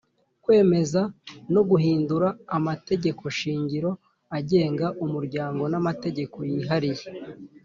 Kwemeza no guhindura amategekoshingiro agenga umuryango n amategeko yihariye